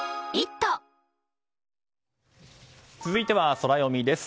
続いては、ソラよみです。